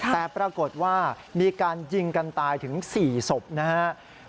แต่ปรากฏว่ามีการยิงกันตายถึง๔ศพนะครับ